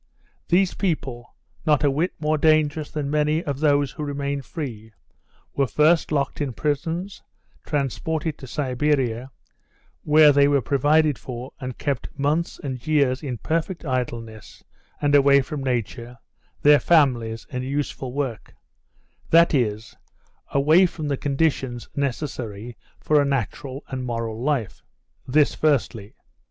These people, not a wit more dangerous than many of those who remained free, were first locked in prisons, transported to Siberia, where they were provided for and kept months and years in perfect idleness, and away from nature, their families, and useful work that is, away from the conditions necessary for a natural and moral life. This firstly.